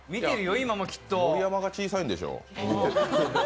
盛山が小さいんでしょう。